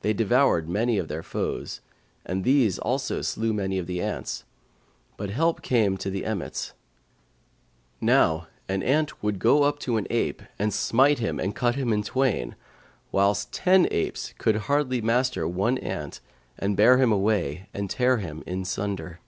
They devoured many of their foes, and these also slew many of the ants; but help came to the emmets: now an ant would go up to an ape and smite him and cut him in twain, whilst ten apes could hardly master one ant and bear him away and tear him in sunder.